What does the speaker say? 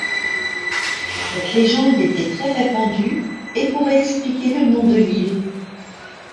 Cette légende était très répandue et pourrait expliquer le nom de l'île.